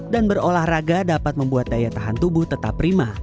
dan berolahraga dapat membuat daya tahan tubuh tetap prima